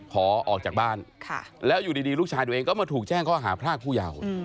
ขอออกจากบ้านแล้วอยู่ดีลูกชายตัวเองก็มาถูกแจ้งข้อหาพรากผู้เยาว์